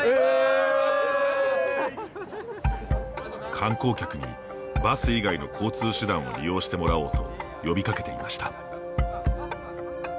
観光客にバス以外の交通手段を利用してもらおうと呼びかけていました。